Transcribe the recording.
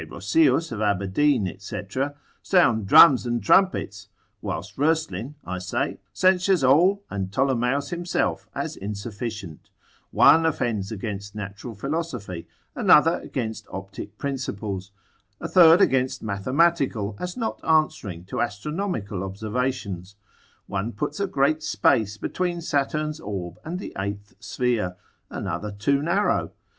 Rosseus of Aberdeen, &c. (sound drums and trumpets) whilst Roeslin (I say) censures all, and Ptolemeus himself as insufficient: one offends against natural philosophy, another against optic principles, a third against mathematical, as not answering to astronomical observations: one puts a great space between Saturn's orb and the eighth sphere, another too narrow.